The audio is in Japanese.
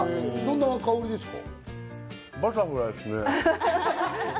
どんな香りですか？